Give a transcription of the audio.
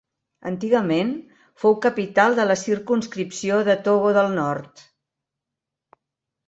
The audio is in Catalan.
Antigament fou capital de la circumscripció de Togo del Nord.